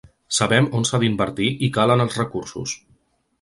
Sabem on s’ha d’invertir i calen els recursos.